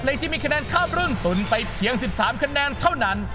ที่มีคะแนนข้ามรุ่นตุ๋นไปเพียง๑๓คะแนนเท่านั้น